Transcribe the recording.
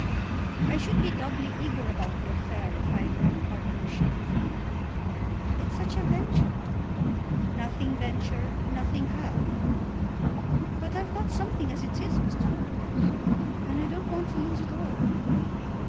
"I should be doubly eager about the affair if I were in partnership with you." "It's such a venture." "Nothing venture nothing have." "But I've got something as it is, Mr. Lopez, and I don't want to lose it all."